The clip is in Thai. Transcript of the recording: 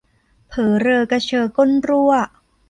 เผอเรอกระเชอก้นรั่ว